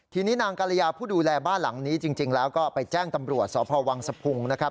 ทีนี้นางกรยาผู้ดูแลบ้านหลังนี้จริงแล้วก็ไปแจ้งตำรวจสพวังสะพุงนะครับ